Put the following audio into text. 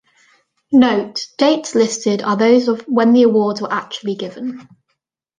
Note: Dates listed are those of when the awards were actually given.